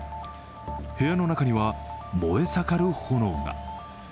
部屋の中には燃え盛る炎が。